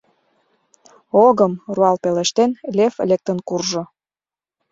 — Огым! — руал пелештен, Лев лектын куржо.